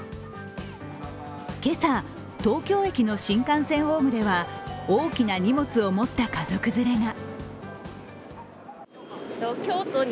今朝、東京駅の新幹線ホームでは大きな荷物を持った家族連れが。